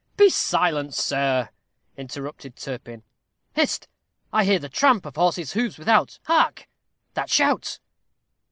"Be silent, sir," interrupted Turpin. "Hist! I hear the tramp of horses' hoofs without. Hark! that shout."